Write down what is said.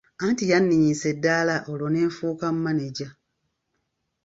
Anti yanninnyisa eddaala olwo ne nfuuka maneja.